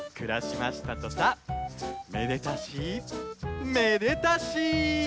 めでたしめでたし！